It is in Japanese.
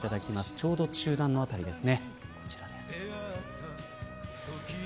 ちょうど中段の辺りです。